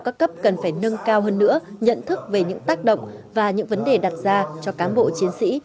các cấp cần phải nâng cao hơn nữa nhận thức về những tác động và những vấn đề đặt ra cho cán bộ chiến sĩ